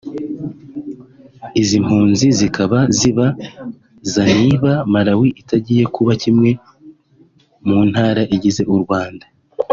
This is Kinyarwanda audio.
Izi mpunzi zikaba zibaza niba Malawi itagiye kuba nk’imwe mu ntara zigize u Rwanda